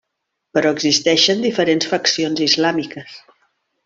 Però existeixen diferents faccions islàmiques.